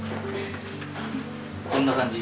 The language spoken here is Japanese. どんな感じ？